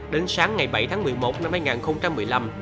đến sáng ngày bảy tháng một mươi một năm hai nghìn một mươi năm